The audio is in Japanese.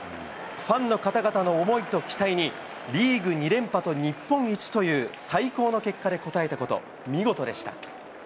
ファンの方々の思いと期待に、リーグ２連覇と日本一という最高の結果で応えたこと、見事でした。